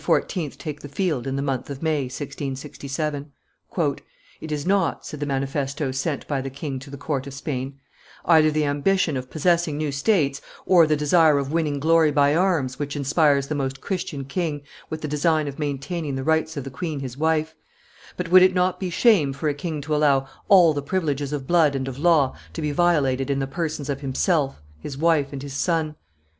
take the field in the month of May, 1667. "It is not," said the manifesto sent by the king to the court of Spain, "either the ambition of possessing new states, or the desire of winning glory by arms, which inspires the Most Christian King with the design of maintaining the rights of the queen his wife; but would it not be shame for a king to allow all the privileges of blood and of law to be violated in the persons of himself, his wife, and his son?